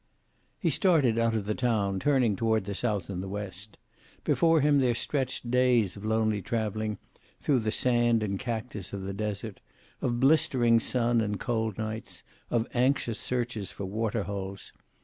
He started out of the town, turning toward the south and west. Before him there stretched days of lonely traveling through the sand and cactus of the desert, of blistering sun and cold nights, of anxious searches for water holes.